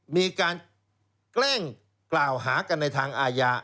มีการแกล้งกล่าวหากันในทางอาญา